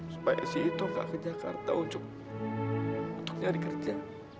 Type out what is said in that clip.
supaya ito tidak pergi ke jakarta untuk mencari kerja